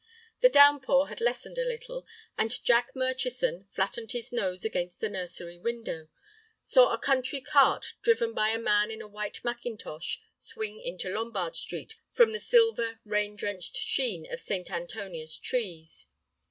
The downpour had lessened a little, and Jack Murchison, flattening his nose against the nursery window, saw a country cart driven by a man in a white mackintosh swing into Lombard Street from the silver, rain drenched sheen of St. Antonia's trees.